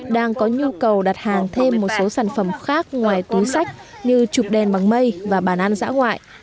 đang có nhu cầu đặt hàng thêm một số sản phẩm khác ngoài túi sách như chụp đèn bằng mây và bàn ăn dã ngoại